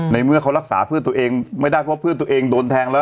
เมื่อเขารักษาเพื่อนตัวเองไม่ได้เพราะเพื่อนตัวเองโดนแทงแล้ว